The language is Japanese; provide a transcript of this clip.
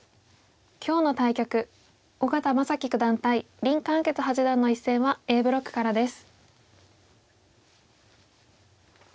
今日の対局小県真樹九段対林漢傑八段の一戦はＡブロックからです。